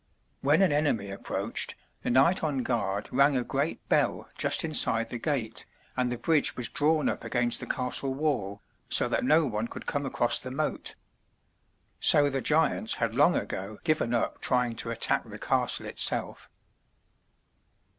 When an enemy approached, the knight on guard rang a great bell just inside the gate, and the bridge was drawn up against the castle wall, so that no one could come across the moat. So the giants had long ago given up trying to attack the castle itself.